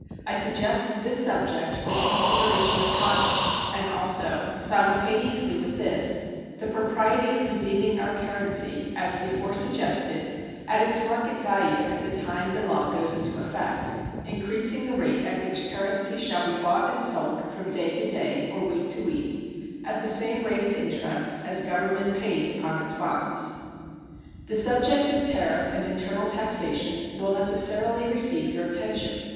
I suggest this subject for the consideration of Congress, and also, simultaneously with this, the propriety of redeeming our currency, as before suggested, at its market value at the time the law goes into effect, increasing the rate at which currency shall be bought and sold from day to day or week to week, at the same rate of interest as Government pays upon its bonds. The subjects of tariff and internal taxation will necessarily receive your attention.